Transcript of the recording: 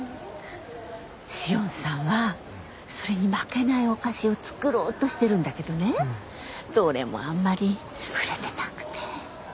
紫苑さんはそれに負けないお菓子を作ろうとしてるんだけどねどれもあんまり売れてなくて。